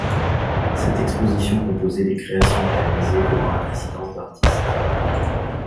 Cette exposition composée des créations réalisées durant la résidence d'artiste.